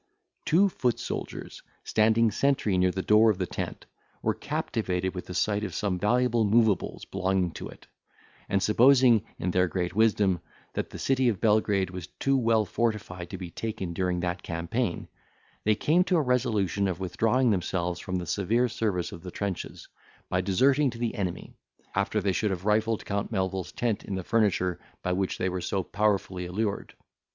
Two foot soldiers, standing sentry near the door of the tent, were captivated with the sight of some valuable moveables belonging to it; and supposing, in their great wisdom, that the city of Belgrade was too well fortified to be taken during that campaign, they came to a resolution of withdrawing themselves from the severe service of the trenches, by deserting to the enemy, after they should have rifled Count Melvil's tent of the furniture by which they were so powerfully allured.